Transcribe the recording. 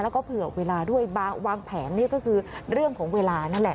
แล้วก็เผื่อเวลาด้วยวางแผนนี่ก็คือเรื่องของเวลานั่นแหละ